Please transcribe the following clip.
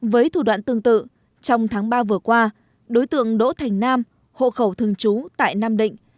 với thủ đoạn tương tự trong tháng ba vừa qua đối tượng đỗ thành nam hộ khẩu thường trú tại nam định